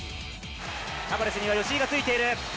タバレスには吉井がついている。